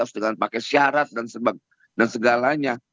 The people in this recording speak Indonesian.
harus dengan pakai syarat dan segalanya